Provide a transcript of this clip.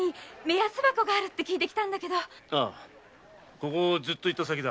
ここをずっと行った先だ。